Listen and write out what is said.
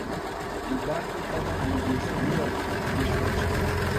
Hubaki kama alivyozaliwa na kukalishwa chini